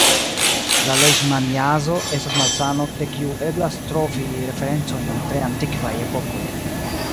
La lejŝmaniazo estas malsano de kiu eblas trovi referencojn en tre antikvaj epokoj.